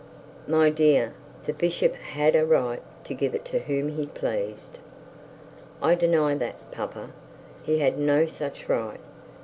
'My dear, the bishop had a right to give it to whom he pleased.' 'I deny that, papa. He had no such right.